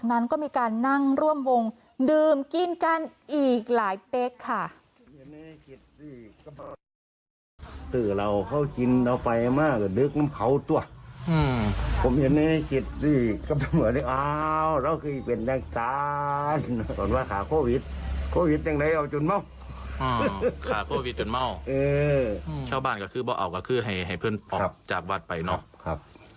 นั่งร่วมวงดื่มกินกันอีกหลายเฟกค่ะ